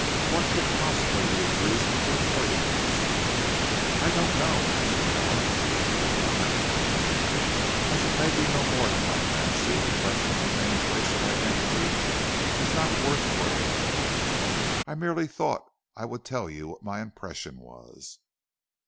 "What could possibly be his reason for avoiding us?" "I don't know," answered Helen, with a quick laugh. "And as it may be no more than my fancy, the question of the man's racial identity is not worth worrying over. I merely thought I would tell you what my impression was."